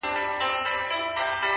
• چاته د يار خبري ډيري ښې دي.a